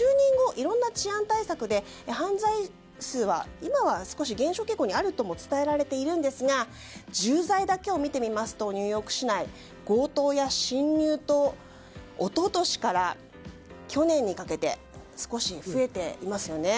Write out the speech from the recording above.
いろんな治安対策で犯罪数は今は少し減少傾向にあるとも伝えられているんですが重罪だけを見てみますとニューヨーク市内強盗や侵入盗一昨年から去年にかけて少し増えていますよね。